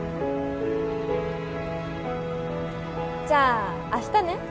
じゃああしたね。